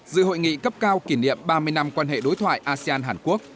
dự hội nghị cấp cao kỷ niệm ba mươi năm quan hệ đối thoại asean hàn quốc